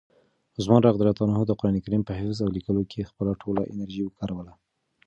عثمان رض د قرآن کریم په حفظ او لیکلو کې خپله ټوله انرژي وکاروله.